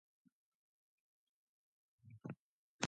He is best known for his coverage of profit-seeking cybercriminals.